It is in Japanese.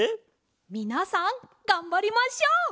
みなさんがんばりましょう！